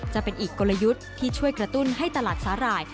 จะเป็นอีกกลยุทธ์ที่ช่วยกระตุ้นให้ตลาดสาหร่าย